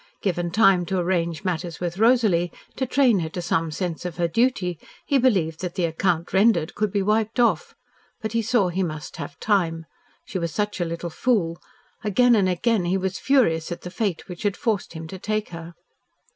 Given time to arrange matters with Rosalie, to train her to some sense of her duty, he believed that the "acct. rendered" could be wiped off, but he saw he must have time. She was such a little fool. Again and again he was furious at the fate which had forced him to take her.